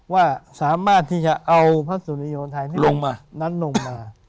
ว่าสามารถที่จะเอาพระศุริโยธัยนั้นลงมา